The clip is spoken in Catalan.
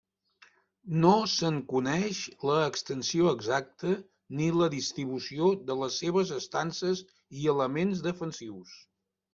No se'n coneix l'extensió exacta ni la distribució de les seves estances i elements defensius.